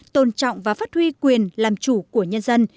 tôn trọng và phát huy quyền làm chủ của nhân dân